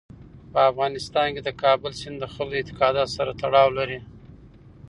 په افغانستان کې د کابل سیند د خلکو د اعتقاداتو سره تړاو لري.